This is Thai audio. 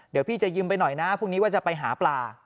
เดี๋ยวพี่จะยืมไปหน่อยนะพรุ่งนี้ว่าจะไปหาปลา